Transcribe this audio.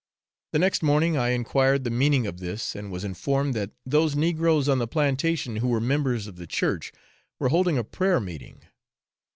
The next morning I enquired the meaning of this, and was informed that those negroes on the plantation who were members of the Church, were holding a prayer meeting.